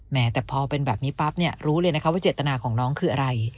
แม้แต่พอเป็นแบบนี้ปั๊บรู้เลยว่าเจตนาของน้องคืออะไร